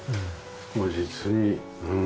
もう実にうん。